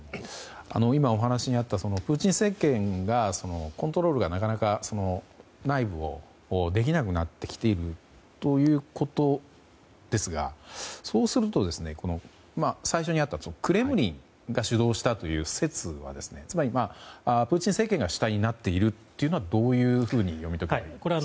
今お話にあったプーチン政権がコントロールがなかなか内部をできなくなっているということですがそうすると、最初にあったクレムリンが主導したという説はつまり、プーチン政権が主体になっているというのはどういうふうに読み解けばいいんですか？